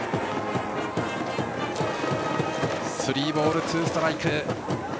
スリーボールツーストライク。